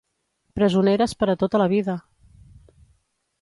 Presoneres per a tota la vida!